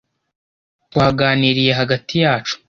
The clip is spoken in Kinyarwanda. Twaganiriye hagati yacu.